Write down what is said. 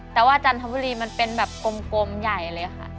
แต่ว่าจันทบุรีมันเป็นแบบกลมใหญ่เลยค่ะ